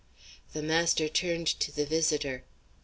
The master turned to the visitor.